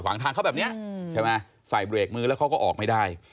วางทางเขาแบบนี้ใช่ไหมใส่เบรกมือแล้วเขาก็ออกไม่ได้